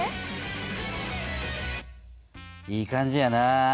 いい感じやな。